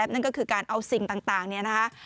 นั่นก็คือการเอาสิ่งต่างนี้นะคะ